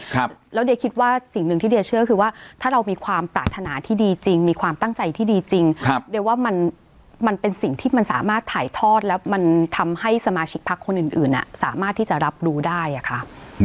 ครับแล้วเดียคิดว่าสิ่งหนึ่งที่เดียเชื่อคือว่าถ้าเรามีความปรารถนาที่ดีจริงมีความตั้งใจที่ดีจริงครับเดียว่ามันมันเป็นสิ่งที่มันสามารถถ่ายทอดแล้วมันทำให้สมาชิกพักคนอื่นอื่นอ่ะสามารถที่จะรับรู้ได้อ่ะค่ะ